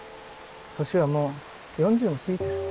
年はもう４０も過ぎてる。